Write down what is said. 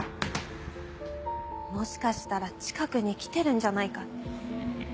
もしかしたら近くに来てるんじゃないか。